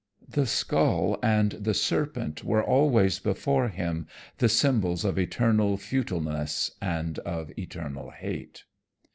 The skull and the serpent were always before him, the symbols of eternal futileness and of eternal hate.